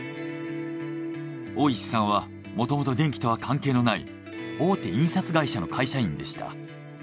大石さんはもともと電気とは関係のない大手印刷会社の会社員でした。